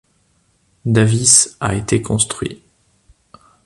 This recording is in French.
Davis a été construit.